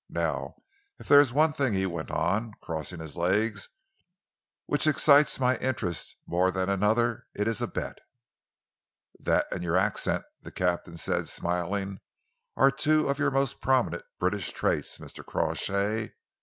Now if there is one thing," he went on, crossing his legs, "which excites my interest more than another, it is a bet." "That and your accent," the captain said, smiling, "are two of your most prominent British traits, Mr. Crawshay."